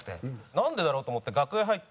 なんでだろうと思って楽屋入って。